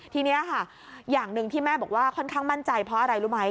ทีนี้ค่ะอย่างหนึ่งที่แม่บอกว่าค่อนข้างมั่นใจเพราะอะไรรู้ไหม